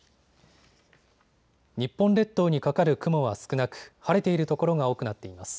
日本列島にかかる雲は少なく晴れている所が多くなっています。